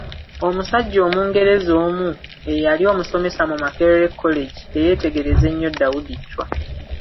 Omusajja Omungereza omu eyali omusomesa mu Makerere College eyeetegereza ennyo Daudi Chwa.